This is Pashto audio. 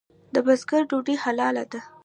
د بزګر ډوډۍ حلاله ده؟